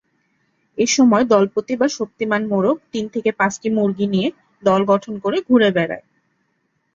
এসময় দলপতি বা শক্তিমান মোরগ তিন থেকে পাঁচটি মুরগী নিয়ে দল গঠন করে ঘুরে বেড়ায়।